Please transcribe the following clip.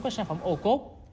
các sản phẩm ô cốt